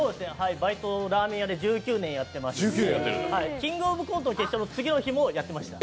バイトラーメン屋で１９年やってまして、「キングオブコント」の決選の次の日もやってました。